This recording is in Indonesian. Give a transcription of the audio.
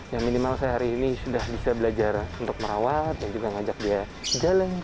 ya minimal saya hari ini sudah bisa belajar untuk merawat dan juga ngajak dia jalan